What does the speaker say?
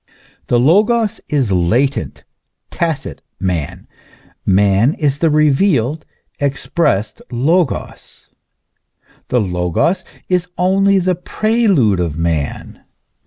The Logos is latent, tacit man ; man is the revealed, expressed Logos. The Logos is only the prelude of man.